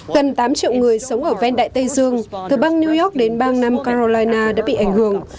gần tám triệu người sống ở ven đại tây dương từ bang new york đến bang nam carolina đã bị ảnh hưởng